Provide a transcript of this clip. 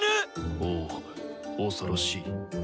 おぉ恐ろしい。